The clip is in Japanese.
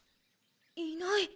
いない！